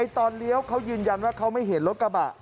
ตอนเลี้ยวเขายืนยันว่าเขาไม่เห็นรถกระบะ